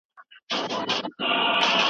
زړې تکنالوژي زموږ داخلي صنعت ته زيان ورساوه.